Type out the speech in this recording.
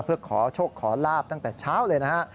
เพื่อขอโชคขอลาบตั้งแต่เช้าเลยนะฮะ